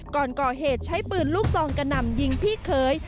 ก่อนก่อเหตุใช้ปืนลูกซองกระหน่ำยิงพี่เคย